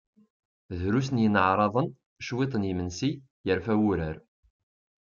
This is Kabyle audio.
Drus n yineɛraḍen, cwiṭ n yimensi, yefra wurar.